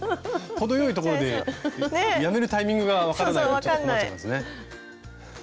程よいところでやめるタイミングが分からないとちょっと困っちゃいますね。